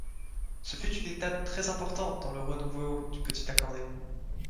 Ce fut une étape très importante dans le renouveau du petit accordéon.